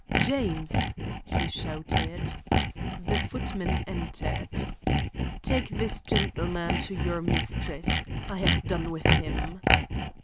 "James!" he shouted. The footman entered. "Take this gentleman to your mistress. I have done with him."